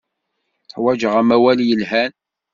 Ḥwajeɣ amawal yelhan.